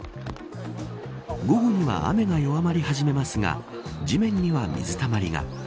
午後には雨が弱まり始めますが地面には水たまりが。